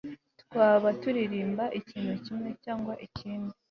Twaba turirimba ikintu kimwe cyangwa ikindi